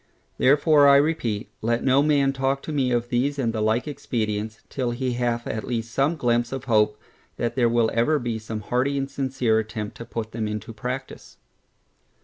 Therefore I repeat, let no man talk to me of these and the like expedients, till he hath at least some glympse of hope, that there will ever be some hearty and sincere attempt to put them into practice.